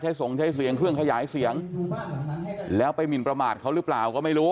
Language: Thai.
ส่งใช้เสียงเครื่องขยายเสียงแล้วไปหมินประมาทเขาหรือเปล่าก็ไม่รู้